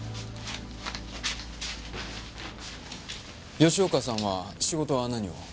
吉岡さんは仕事は何を？